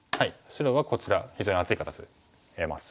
白はこちら非常に厚い形得ましたね。